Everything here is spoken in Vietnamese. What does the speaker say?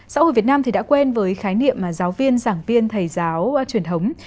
xã hội việt nam thì đã quen với khái niệm mà giáo viên giảng viên thầy giáo truyền thống